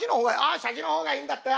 ああ匙の方がいいんだって。